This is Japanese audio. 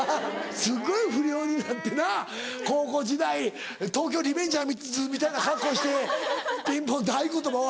すっごい不良になってな高校時代『東京卍リベンジャーズ』みたいな格好してピンポン「合言葉は？」。